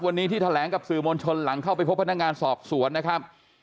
วันนี้ที่แถลงกับสื่อมวลชนหลังเข้าไปพบพนักงานสอบสวนนะครับ